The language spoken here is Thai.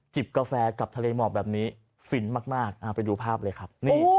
กาแฟกับทะเลหมอกแบบนี้ฟินมากไปดูภาพเลยครับ